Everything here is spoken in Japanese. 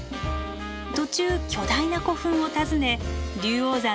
途中巨大な古墳を訪ね龍王山の登山口へ。